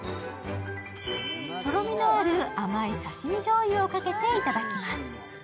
とろみのある、甘い刺身じょうゆをかけていただきます。